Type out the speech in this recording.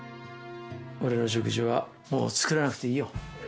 俺の食事はもう作らなくていいよ。